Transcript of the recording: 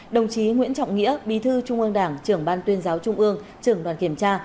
đồng chí nguyễn trọng nghĩa bí thư trung ương đảng trưởng ban tuyên giáo trung ương trưởng đoàn kiểm tra